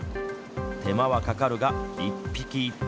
手間はかかるが一匹、一匹。